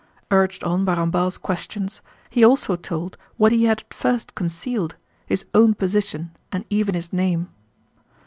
Urged on by Ramballe's questions he also told what he had at first concealed—his own position and even his name.